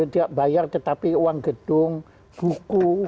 dia bayar tetapi uang gedung buku